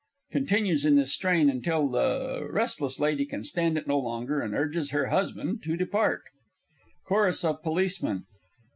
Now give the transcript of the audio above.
[Continues in this strain until the R. L. can stand it no longer, and urges her husband to depart. CHORUS OF POLICEMEN.